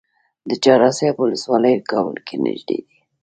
د چهار اسیاب ولسوالۍ کابل ته نږدې ده